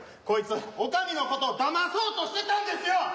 こいつ女将のことをだまそうとしてたんですよ！